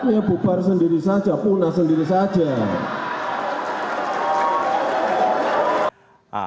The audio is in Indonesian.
ya bubar sendiri saja punah sendiri saja